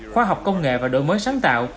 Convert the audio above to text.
khoa học công nghệ và đổi mới sáng tạo